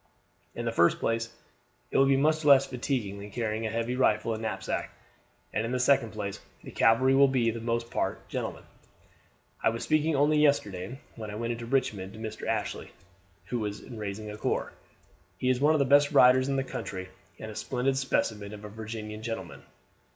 "In the first place it will be much less fatiguing than carrying a heavy rifle and knapsack; and in the second place, the cavalry will for the most part be gentlemen. I was speaking only yesterday when I went into Richmond to Mr. Ashley, who is raising a corps. He is one of the best riders in the country, and a splendid specimen of a Virginian gentleman.